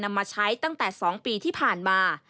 มาใช้ตั้งแต่๒ปีที่ผ่านมา